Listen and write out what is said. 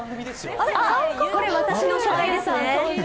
これ私の初回ですね。